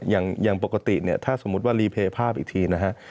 อย่างปกติเนี่ยถ้าสมมุติว่ารีเพย์ภาพอีกทีนะฮะ